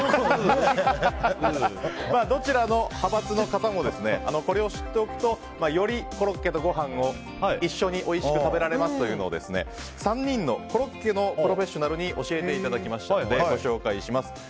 どちらの派閥の方もこれを知っておくとよりコロッケとご飯を一緒においしく食べられますというのを３人のコロッケのプロフェッショナルに教えていただきましたのでご紹介します。